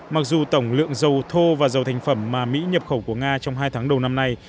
mặc dù tổng lượng dầu thô và dầu thành phẩm mà mỹ nhập khẩu của nga trong hai tháng đầu năm nay